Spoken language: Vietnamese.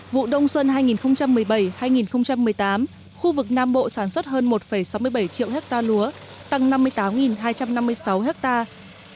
vụ đông xuân hai nghìn một mươi bảy hai nghìn một mươi tám khu vực nam bộ sản xuất hơn một sáu mươi bảy triệu hectare lúa tăng năm mươi tám hai trăm năm mươi sáu hectare